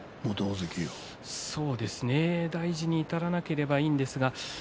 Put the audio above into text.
大事に至らなければいいんですが。